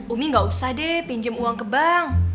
umi gak usah deh pinjam uang ke bank